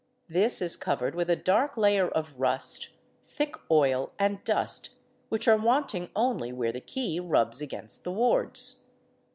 This is covered with a dark layer of rust, thick oil, and dust, which are wanting only where the key rubs against the wards.